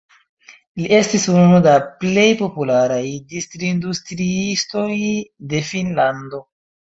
Li estis unu da plej popularaj distrindustriistoj de Finnlando.